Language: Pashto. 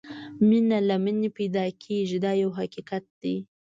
مینه له مینې پیدا کېږي دا یو حقیقت دی.